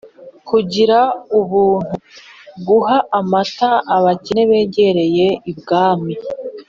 kugira ubuntu, guha amata abakene begereye ibwami.